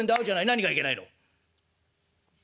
何がいけないの？」。